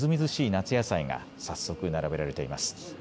夏野菜が早速、並べられています。